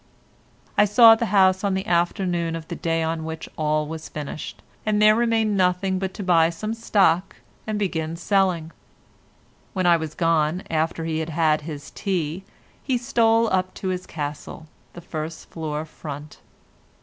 I saw the house on the afternoon of the day on which all was finished, and there remained nothing but to buy some stock and begin selling. When I was gone, after he had had his tea, he stole up to his castle—the first floor front.